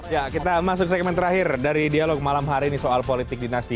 ya kita masuk segmen terakhir dari dialog malam hari ini soal politik dinasti